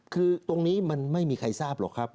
คือตรงนี้มันไม่มีใครทราบหรอกครับ